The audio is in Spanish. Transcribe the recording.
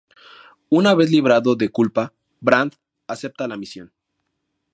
Una vez librado de culpa, Brandt acepta la misión.